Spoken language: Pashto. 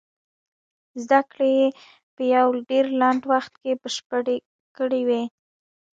زدکړې يې په يو ډېر لنډ وخت کې بشپړې کړې وې.